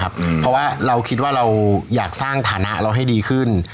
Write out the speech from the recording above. เพราะว่าเราคิดว่าเราอยากสร้างฐานะเราให้ดีขึ้น